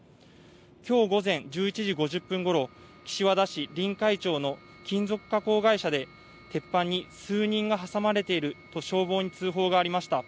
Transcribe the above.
きょう午前１１時５０分ごろ、岸和田市臨海町の金属加工会社で、鉄板に数人が挟まれていると、消防に通報がありました。